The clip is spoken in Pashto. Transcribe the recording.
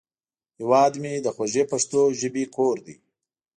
هیواد مې د خوږې پښتو ژبې کور دی